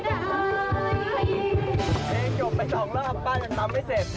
เตรียมจบเป็น๒รอบป้าจนทำไม่เสร็จ